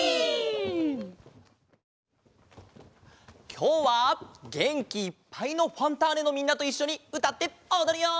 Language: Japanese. きょうはげんきいっぱいの「ファンターネ！」のみんなといっしょにうたっておどるよ！